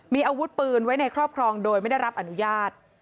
มีอาวุธปืนไว้ในครอบครองโดยไม่ได้รับอนุญาต